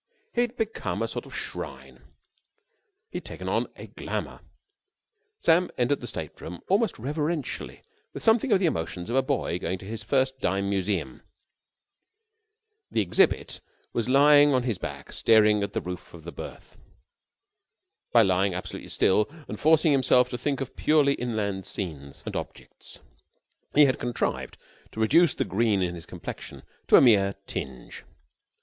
He had become a sort of shrine. He had taken on a glamour. Sam entered the state room almost reverentially with something of the emotions of a boy going into his first dime museum. The exhibit was lying on his back staring at the roof of the berth. By lying absolutely still and forcing himself to think of purely inland scenes and objects he had contrived to reduce the green in his complexion to a mere tinge.